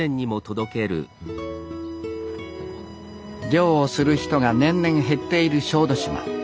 漁をする人が年々減っている小豆島。